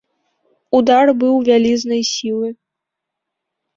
Удар быў вялізнай сілы.